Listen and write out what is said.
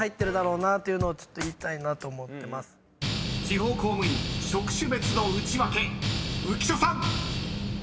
［地方公務員職種別のウチワケ浮所さん］